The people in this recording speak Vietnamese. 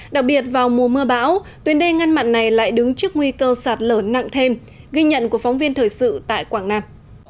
đặc biệt vào mùa mưa bão tuyến đê ngăn mặn này lại đứng trước nguy cơ sạt lở nặng thêm ghi nhận của phóng viên thời sự tại quảng nam